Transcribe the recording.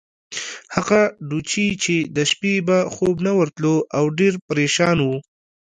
هغه ډوچي چې د شپې به خوب نه ورتلو، او ډېر پرېشان وو.